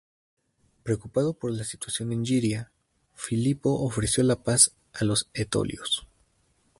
Preocupado por la situación en Iliria, Filipo ofreció la paz a los etolios.